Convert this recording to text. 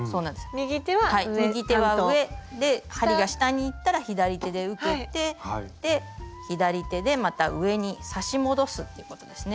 右手は上で針が下にいったら左手で受けて左手でまた上に刺し戻すっていうことですね。